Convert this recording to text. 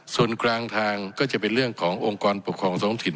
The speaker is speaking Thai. ส่วนกลางทางก็จะเป็นเรื่องขององค์กรปกครองท้องถิ่น